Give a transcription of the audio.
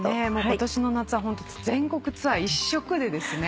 今年の夏はホント全国ツアー一色でですね。